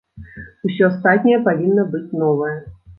Усё астатняе павінна быць новае.